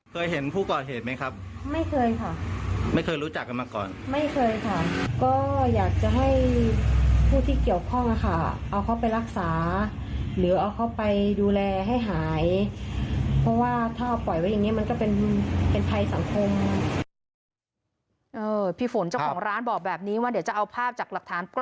เคยเห็นผู้ก่อเหตุไหมครับไม่เคยค่ะไม่เคยรู้จักกันมาก่อนไม่เคยค่ะก็อยากจะให้ผู้ที่เกี่ยวข้องค่ะเอาเขาไปรักษา